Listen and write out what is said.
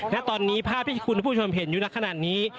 และตอนนี้ภาพที่คุณผู้ชมเห็นอยู่ในขณะนี้